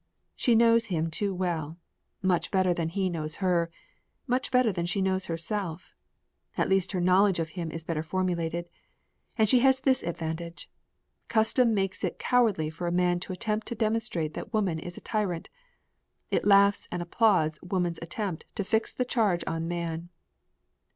She knows him too well, much better than he knows her, much better than she knows herself; at least her knowledge of him is better formulated. And she has this advantage: custom makes it cowardly for a man to attempt to demonstrate that woman is a tyrant it laughs and applauds woman's attempt to fix the charge on man.